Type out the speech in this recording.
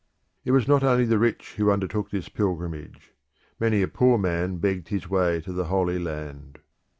It was not only the rich who undertook this pilgrimage; many a poor man begged his way to the Holy Land.